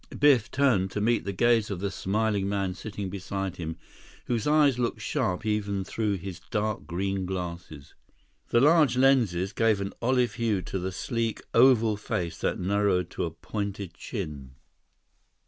Biff turned to meet the gaze of the smiling man sitting beside him whose eyes looked sharp even through his dark green glasses. The large lenses gave an olive hue to the sleek, oval face that narrowed to a pointed chin.